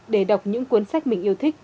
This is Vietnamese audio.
để đọc những cuốn sách mình yêu thích